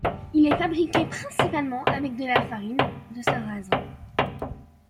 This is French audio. Il est fabriqué principalement avec de la farine de sarrasin.